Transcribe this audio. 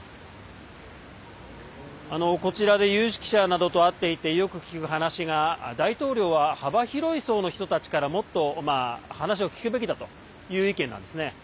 こちらで有権者などと会っていてよく聞く話が大統領は、幅広い層の人たちからもっと話を聞くべきだという意見です。